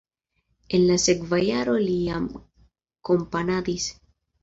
En la sekva jaro li jam komponadis.